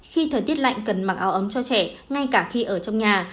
khi thời tiết lạnh cần mặc áo ấm cho trẻ ngay cả khi ở trong nhà